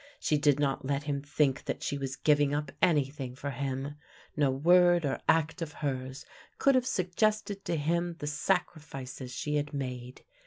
She did not let him think that she was giving up anything for him; no word or act of hers could have suggested to him the sacrifices she had made.